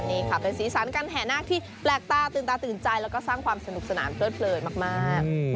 นี่ค่ะเป็นสีสันการแห่นาคที่แปลกตาตื่นตาตื่นใจแล้วก็สร้างความสนุกสนานเพลิดเลินมาก